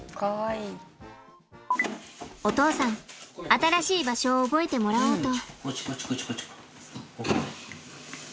お父さん新しい場所を覚えてもらおうと。